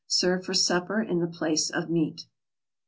Serve for supper in the place of meat.